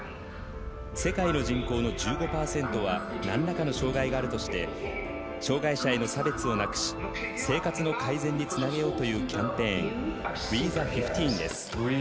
世界の人口の１５％はなんらかの障がいがあるとして障がい者への差別をなくし生活の改善につなげようというキャンペーン「ＷＥＴＨＥ１５」です。